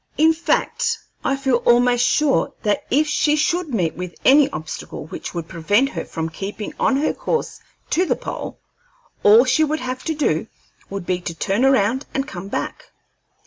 In fact, I feel almost sure that if she should meet with any obstacle which would prevent her from keeping on her course to the pole, all she would have to do would be to turn around and come back.